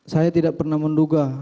saya tidak pernah menduga